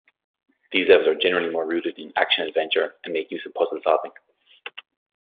These levels are generally more rooted in action-adventure, and make use of puzzle-solving.